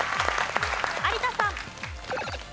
有田さん。